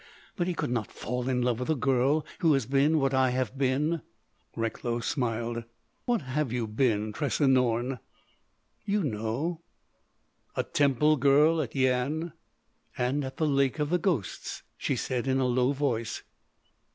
But he could not fall in love with a girl who has been what I have been." Recklow smiled. "What have you been, Tressa Norne?" "You know." "A temple girl at Yian?" "And at the Lake of the Ghosts," she said in a low voice.